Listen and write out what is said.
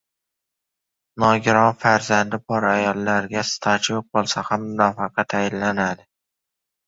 Nogiron farzandi bor ayollarga staji yoʻq boʻlsa ham nafaqa tayinlanadi